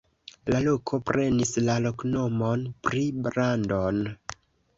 La loko prenis la loknomon pri Brandon.